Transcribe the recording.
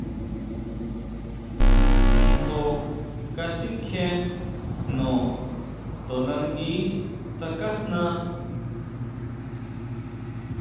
Ntjo kasikjie jno, to nangui tsákajna.